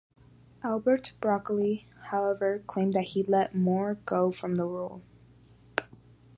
Albert Broccoli, however, claimed that he let Moore go from the role.